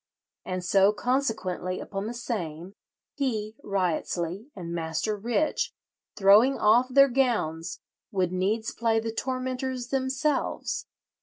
And so consequently upon the same, he (Wriottesley) and Master Rich, throwing off their gowns, would needs play the tormentors themselves.